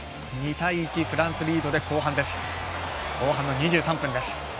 ２対１、フランス、リードで後半の２３分です。